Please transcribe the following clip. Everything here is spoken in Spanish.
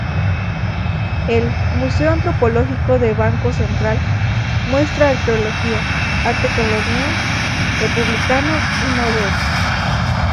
El "Museo Antropológico del Banco Central" muestra arqueología, arte colonial, republicano y moderno.